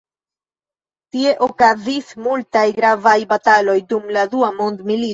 Tie okazis multaj gravaj bataloj dum la Dua Mondmilito.